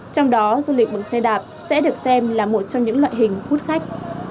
trong đó du lịch bằng xe đạp sẽ được xem là một trong những loại hình hút khách